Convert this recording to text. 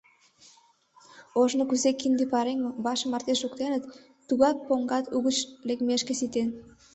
Ожно кузе кинде-пареҥгым ваш марте шуктеныт, тугак поҥгат угыч лекмешке ситен.